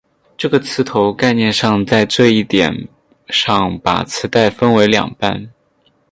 这个磁头概念上在这一点上把磁带分为两半。